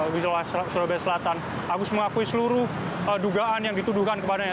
wilayah surabaya selatan agus mengakui seluruh dugaan yang dituduhkan kepadanya